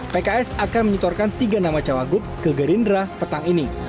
pks akan menyetorkan tiga nama cawagup ke gerindra petang ini